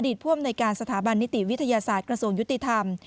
อดีตพ่อมในการสถาบันนิติวิทยาศาสตร์กระทรวงยุติธรรม